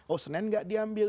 oh senin gak diambil